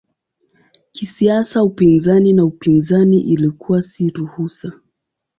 Kisiasa upinzani na upinzani ilikuwa si ruhusa.